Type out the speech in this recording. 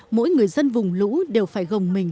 mỗi người dân vùng lũ đều phải gồng mình